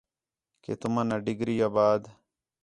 کہ تُمن ڈگری آ بعد